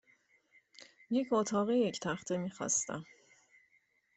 یک اتاق یک تخته میخواستم.